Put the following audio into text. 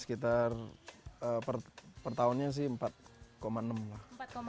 sekitar per tahunnya sih empat enam lah